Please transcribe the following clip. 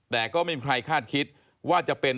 แต่ก็ไม่มีใครคาดคิดว่าจะเป็น